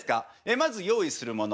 まず用意するもの